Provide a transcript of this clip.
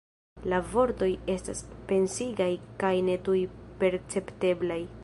La vortoj estas pensigaj kaj ne tuj percepteblaj.